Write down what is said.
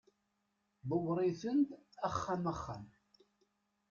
ḍewwer-iten-d axxam axxam